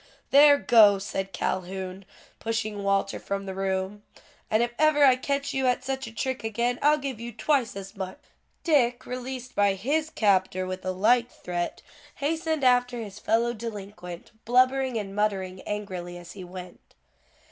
"There, go," said Calhoun, pushing Walter from the room, "and if ever I catch you at such a trick again, I'll give you twice as much." Dick, released by his captor with a like threat, hastened after his fellow delinquent, blubbering and muttering angrily as he went.